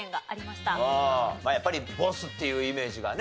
まあやっぱりボスっていうイメージがね。